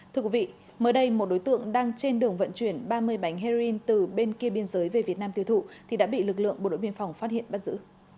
thưa quý vị mới đây một đối tượng đang trên đường vận chuyển ba mươi bánh heroin từ bên kia biên giới về việt nam tiêu thụ thì đã bị lực lượng bộ đội biên phòng phát hiện bắt giữ